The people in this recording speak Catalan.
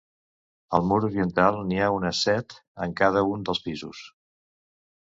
Al mur oriental n'hi ha unes set en cada un dels pisos.